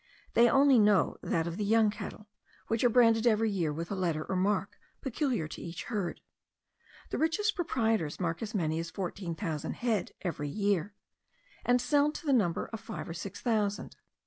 They only know that of the young cattle, which are branded every year with a letter or mark peculiar to each herd. The richest proprietors mark as many as 14,000 head every year; and sell to the number of five or six thousand.